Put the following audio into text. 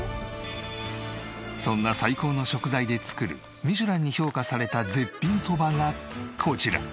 そんな最高の食材で作るミシュランに評価された絶品そばがこちら。